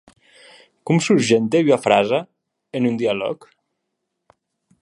Com surgente ua frasa en un dialòg?